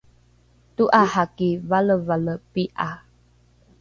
to’araki valevale pi’a